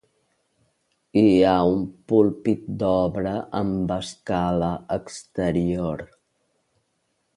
Hi ha un púlpit d'obra amb escala exterior.